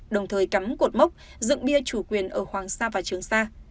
đồng thời cắm cột mốc dựng bia chủ quyền ở hoàng sa và trường sa